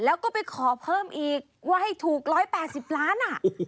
แล้วก็ไปขอเพิ่มอีกว่าให้ถูก๑๘๐ล้าน